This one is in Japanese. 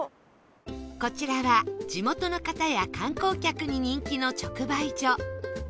こちらは地元の方や観光客に人気の直売所